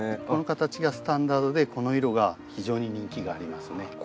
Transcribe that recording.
この形がスタンダードでこの色が非常に人気がありますね。